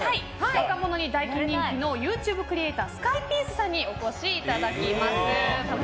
若者に大人気ＹｏｕＴｕｂｅクリエーターのスカイピースさんにお越しいただきます。